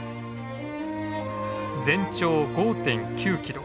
全長５．９キロ。